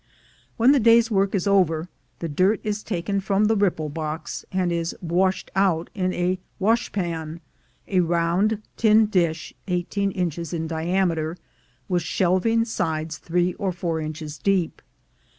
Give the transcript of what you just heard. When the day's work is over, the dirt is taken from the "ripple box" and is "washed out" in a "wash pan," a round tin dish, eighteen inches in diameter, with shelving sides three or four inches deep.